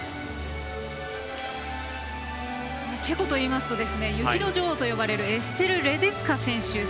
チェコといいますと雪の女王と呼ばれるエステル・レデツカ選手。